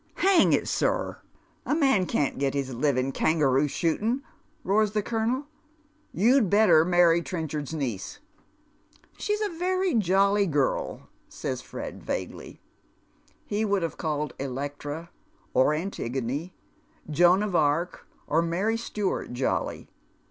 " Hang it, sir ! a man can't get his livin' kangaroo shootin'," roars the colonel. " You'd better marry Trenchard's niece." " She's a veiy jolly girl," says Fred, vaguely. He would have called Electra or Antigone, Joan of Arc or Mary Stuart, jolly.